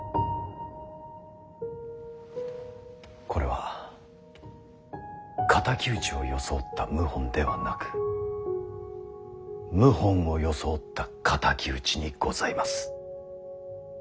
これは敵討ちを装った謀反ではなく謀反を装った敵討ちにございます。